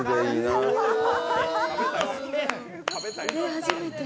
初めて。